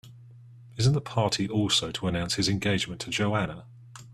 Isn't the party also to announce his engagement to Joanna?